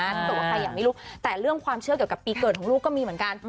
ถ้าเกิดว่าใครอยากไม่รู้แต่เรื่องความเชื่อเกี่ยวกับปีเกิดของลูกก็มีเหมือนกัน